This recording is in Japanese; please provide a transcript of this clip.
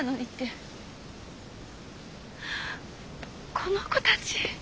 この子たち